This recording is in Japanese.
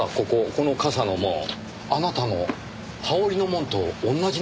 この傘の紋あなたの羽織の紋と同じなんですよ。